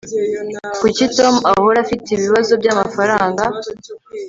kuki tom ahora afite ibibazo byamafaranga